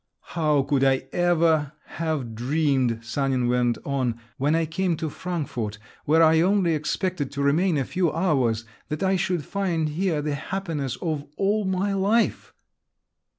"How could I ever have dreamed," Sanin went on, "when I came to Frankfort, where I only expected to remain a few hours, that I should find here the happiness of all my life!"